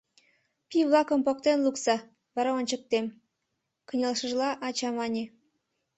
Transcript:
— Пий-влакым поктен лукса, вара ончыктем, — кынелшыжла ача мане.